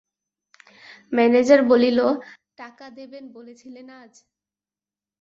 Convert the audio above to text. Manager বলিল, টাকা দেবেন বলেছিলেন আজ?